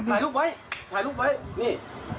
ถ่ายรูปไว้ถ่ายรูปไว้นี่